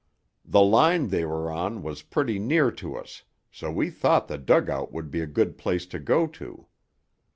the line they were on was pretty near to us, so we thought the dug out would be a good place to go to....